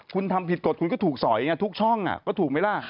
คุณทำผิดกฎคุณก็ถูกสอยทุกช่องก็ถูกไหมล่ะ